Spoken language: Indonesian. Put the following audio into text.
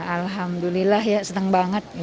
alhamdulillah ya senang banget